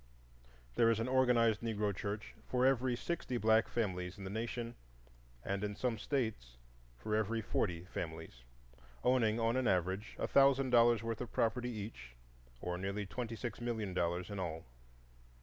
There is an organized Negro church for every sixty black families in the nation, and in some States for every forty families, owning, on an average, a thousand dollars' worth of property each, or nearly twenty six million dollars in all.